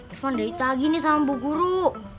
ipoh ada itu lagi nih sama bu guru ibu mau bayar